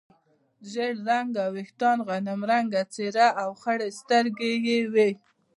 ژړ رنګه وریښتان، غنم رنګه څېره او خړې سترګې یې وې.